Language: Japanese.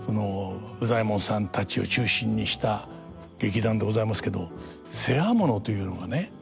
羽左衛門さんたちを中心にした劇団でございますけど世話物というのがね